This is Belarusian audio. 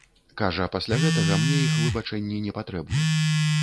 Кажа, пасля гэтага мне іх выбачэнні не патрэбны.